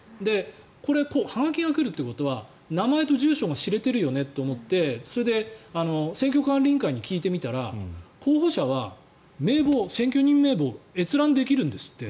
これ、はがきが来るってことは名前と住所が知れてるよねって思ってそれで選挙管理委員会に聞いてみたら候補者は選挙人名簿を閲覧できるんですって。